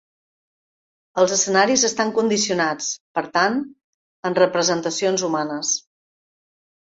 Els escenaris estan condicionats, per tant, en representacions humanes.